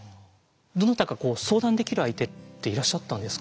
どなたかこう相談できる相手っていらっしゃったんですか？